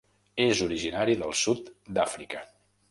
És originari del sud d'Àfrica.